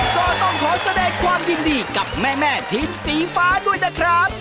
ก็ต้องขอแสดงความยินดีกับแม่ทีมสีฟ้าด้วยนะครับ